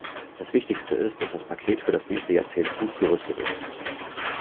Das Wichtigste ist, dass das Paket für das nächste Jahrzehnt gut gerüstet ist.